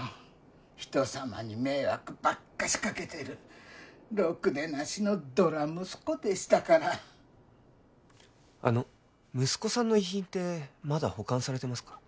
人様に迷惑ばっかしかけてるろくでなしのドラ息子でしたからあの息子さんの遺品ってまだ保管されてますか？